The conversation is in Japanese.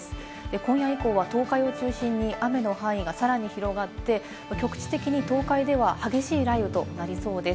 今夜以降は東海を中心に雨の範囲がさらに広がって局地的に東海では激しい雷雨となりそうです。